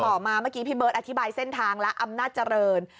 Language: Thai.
หลอมาที่พี่เบิ๊ดอธิบายเส้นทางแล้วอำนาจรรย์